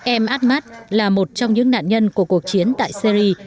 em admat là một trong những nạn nhân của cuộc chiến tại syri